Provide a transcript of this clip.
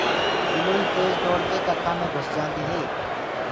گِلوئي تيج دوڙ ڪي ڪکآ مي گھُس جآنديٚ هي۔